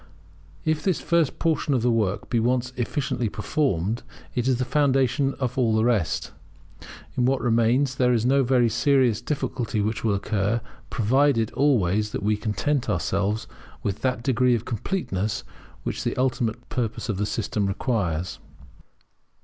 If this first portion of the work be once efficiently performed, it is the foundation of all the rest. In what remains no very serious difficulty will occur, provided always that we content ourselves with that degree of completeness which the ultimate purpose of the system requires.